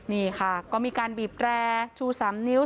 นี่ค่ะก็มีการบีบแร่ชู๓นิ้ว